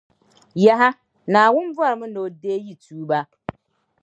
Yaha! Naawuni bɔrimi ni O deei yi tuuba.